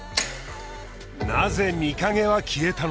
なぜ美影は消えたのか？